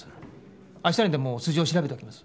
明日にでも素性を調べておきます。